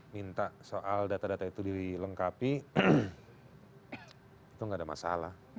minta soal data data itu dilengkapi itu nggak ada masalah